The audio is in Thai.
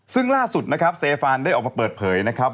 ซึ่งล่าสุดนะครับเซฟานได้ออกมาเปิดเผยนะครับ